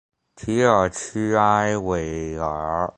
蒂尔屈埃维尔。